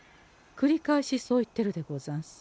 くりかえしそう言ってるでござんす。